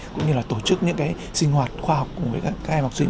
cũng như là tổ chức những cái sinh hoạt khoa học cùng với các em học sinh